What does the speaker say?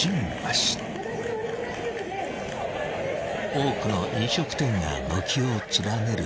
［多くの飲食店が軒を連ねる